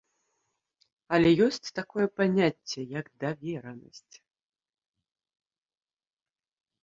Але ёсць такое паняцце, як даверанасць.